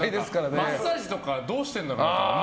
マッサージとかどうしてんだろうと思って。